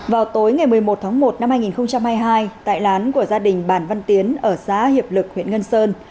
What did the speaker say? vào tối ngày một mươi một tháng một năm hai nghìn hai mươi hai tại lán của gia đình bản văn tiến ở xã hiệp lực huyện ngân sơn